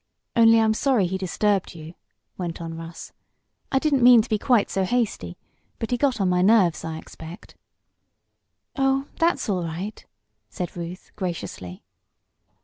"Only I'm sorry he disturbed you," went on Russ. "I didn't mean to be quite so hasty; but he got on my nerves, I expect." "Oh, that's all right," said Ruth, graciously.